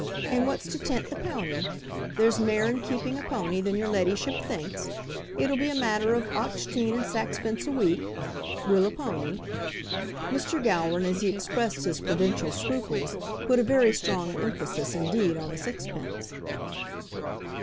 And wha's to tent the pownie? There's mair in keeping a pownie than your leddyship thinks. It'll be a matter of auchteen and saxpence a week, will a pownie." Mr. Gowran, as he expressed his prudential scruples, put a very strong emphasis indeed on the sixpence.